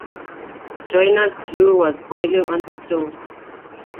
Joiner's glue was boiling on the stove.